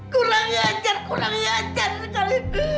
kurang ngejar kurang ngejar